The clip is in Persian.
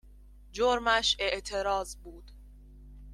جرمش اعتراض بود